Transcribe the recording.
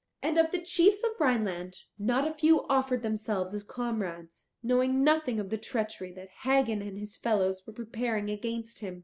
And of the chiefs of Rhineland not a few offered themselves as comrades, knowing nothing of the treachery that Hagen and his fellows were preparing against him.